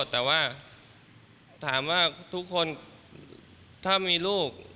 แต่ถามทุกคนถ้ามีลูก